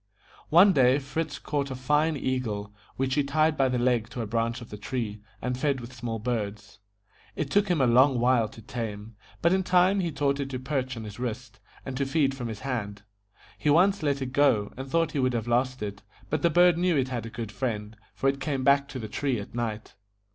One day Fritz caught a fine EA GLE, which he tied by the leg to a branch of the tree, and fed with small birds. It took him a long while to tame, but in time he taught it to perch on his wrist, and to feed from his hand. He once let it go, and thought he would have lost it, but the bird knew it had a good friend, for it came back to the tree at night.